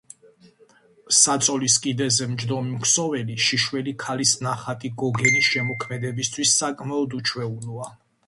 საწოლის კიდეზე მჯდომი მქსოველი შიშველი ქალის ნახატი გოგენის შემოქმედებისთვის საკმაოდ უჩვეულოა.